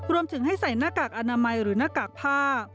รวมถึงให้ใส่หน้ากากอนามัยหรือหน้ากากผ้า